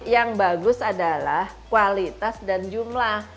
yang bagus adalah kualitas dan jumlah